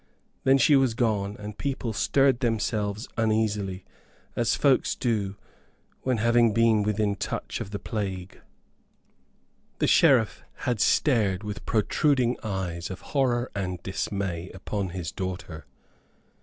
Then she was gone; and people stirred themselves uneasily, as folks do when having been within touch of the plague. The Sheriff had stared with protruding eyes of horror and dismay upon his daughter.